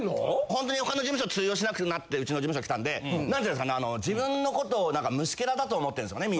ほんとに他の事務所通用しなくなってうちの事務所来たんで何て言うんですかねあの自分のことを何か虫ケラだと思ってるんですよね